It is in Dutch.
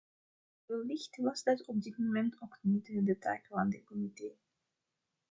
Wellicht was dat op dit moment ook niet de taak van dit comité.